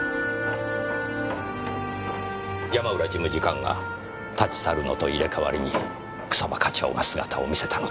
山浦事務次官が立ち去るのと入れ替わりに草葉課長が姿を見せたのでしょう。